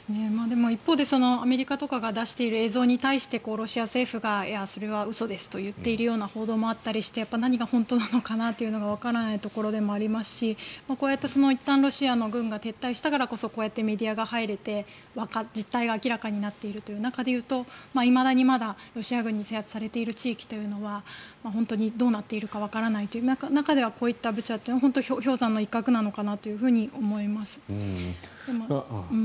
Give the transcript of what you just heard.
でも一方でアメリカとかが出している映像に対してロシア政府がそれは嘘ですと言っている報道もあったりして何が本当なのかなというのがわからないところでもありますしこうやっていったんロシア軍が撤退したからこそこうやってメディアが入れて実態が明らかになっているという中で言うといまだにまだロシア軍に制圧されている地域というのは本当にどうなっているかわからないという中でこういったブチャというのは氷山の一角なのかなと思います。